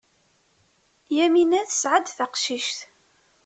Yamina tesɛa-d taqcict.